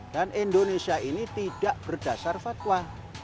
dan indonesia ini tidak berdasar fatwa